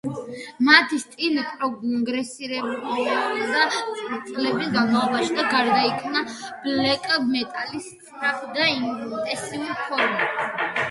მათი სტილი პროგრესირებდა წლების განმავლობაში და გარდაიქმნა ბლეკ მეტალის სწრაფ და ინტენსიურ ფორმად.